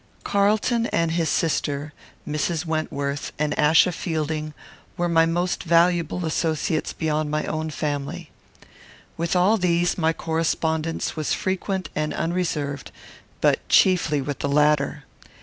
Carlton and his sister, Mrs. Wentworth, and Achsa Fielding, were my most valuable associates beyond my own family. With all these my correspondence was frequent and unreserved, but chiefly with the latter.